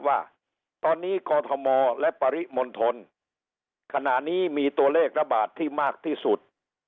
ว่าตอนนี้กอทมและปริมณฑลขณะนี้มีตัวเลขระบาดที่มากที่สุด